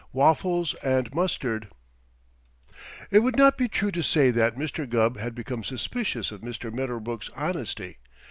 WAFFLES AND MUSTARD It would not be true to say that Mr. Gubb had become suspicious of Mr. Medderbrook's honesty.